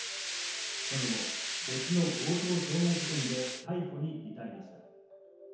その後、別の強盗傷害事件で逮捕に至りました。